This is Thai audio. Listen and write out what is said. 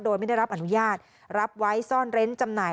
โดยไม่ได้รับอนุญาตรับไว้ซ่อนเร้นจำหน่าย